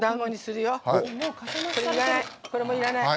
これもいらない。